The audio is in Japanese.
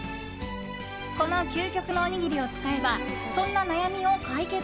この究極のおにぎりを使えばそんな悩みを解決。